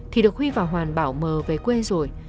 thì được huy và hoàn bảo mờ về quê rồi